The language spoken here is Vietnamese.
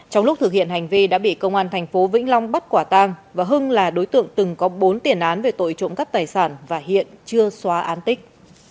trong lúc thực hiện hành vi đã bị công an thành phố vĩnh long bắt quả tang và hưng là đối tượng từng có bốn tiền án về tội trộm cắp tài sản và hiện chưa xóa án tích